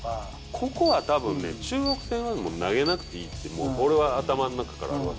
ここはたぶんね、中国戦はもう投げなくていいって、俺は頭の中からあるわけ。